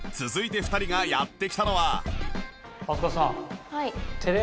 続いて２人がやって来たのは